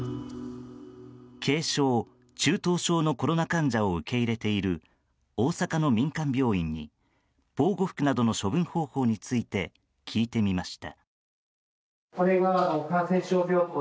軽症・中等症のコロナ患者を受け入れている大阪の民間病院に防護服などの処分方法について聞いてみました。